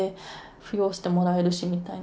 扶養してもらえるしみたいな。